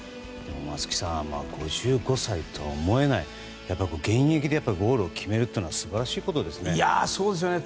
松木さん５５歳とは思えない現役でゴールを決めるのは素晴らしいことですね。